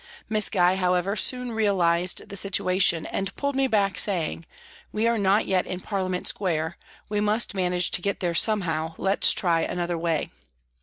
Miss Gye, however, soon realised the situation and pulled me back, saying, " We are not yet in Parliament Square ; we must manage to get there somehow ; let's try another way."